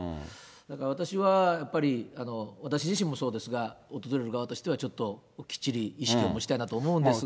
だから私はやっぱり、私自身もそうですが、訪れる側としてはちょっときっちり意識を持ちたいなと思うんですが。